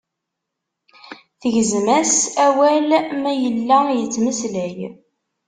Tegzem-as as awal mi yella yettmeslay.